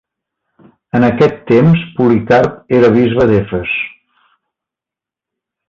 En aquest temps Policarp era bisbe d'Efes.